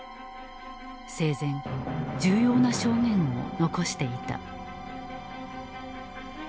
生前重要な証言を残していた。